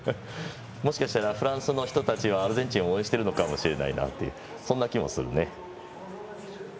もしかしたらフランスの人たちはアルゼンチンを応援しているのかもしれないという気もするね。